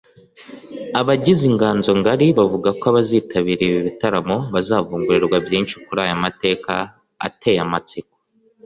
Abagize Inganzo Ngari bavuga ko abazitabira ibi bitaramo bazavungurirwa byinshi kuri aya mateka ateye amatsiko